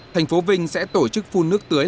thành phố vinh sẽ tổ chức phun nước tưới